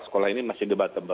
sekolah ini masih debatable